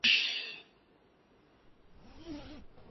洛雷塞。